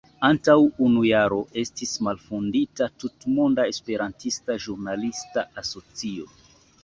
Antaŭ unu jaro estis malfondita Tutmonda Esperantista Ĵurnalista Asocio.